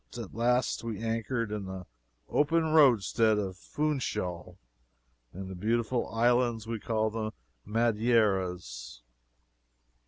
At last we anchored in the open roadstead of Funchal, in the beautiful islands we call the Madeiras.